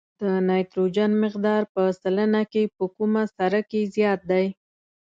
د نایتروجن مقدار په سلنه کې په کومه سره کې زیات دی؟